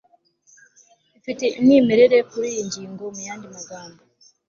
Ifite umwimerere kuriyi ngingo Muyandi magambo